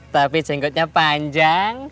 tapi jenggotnya panjang